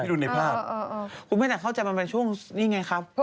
ดูในภาพคุณแม่แต่เข้าใจมันเป็นช่วงนี้ไงครับ